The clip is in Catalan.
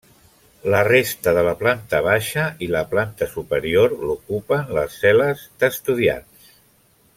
La resta de la planta baixa i la planta superior, l'ocupen les cel·les d'estudiants.